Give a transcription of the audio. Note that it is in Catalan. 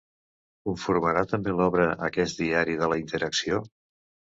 ¿Conformarà també l'obra, aquest diari de la interacció?